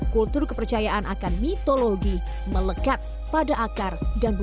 kultur kepercayaan akan mitologi melekat pada akar dan budaya